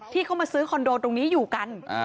ที่เขามาซื้อคอนโดตรงนี้อยู่กัน